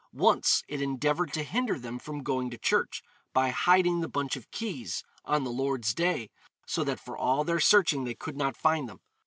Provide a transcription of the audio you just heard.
Once it endeavoured to hinder them from going to church, by hiding the bunch of keys, on the Lord's day, so that for all their searching they could not find them.